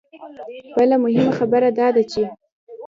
بله مهمه خبره دا ده چې